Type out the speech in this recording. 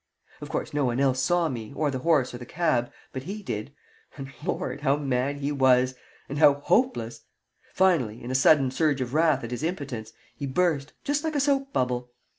Of course no one else saw me or the horse or the cab, but he did and, Lord! how mad he was, and how hopeless! Finally, in a sudden surge of wrath at his impotence, he burst, just like a soap bubble.